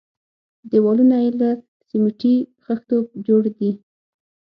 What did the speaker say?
دېوالونه يې له سميټي خښتو جوړ دي.